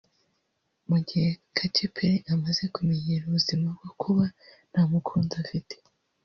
Mu gihe Katy Perry amaze kumenyera ubuzima bwo kuba nta mukunzi afite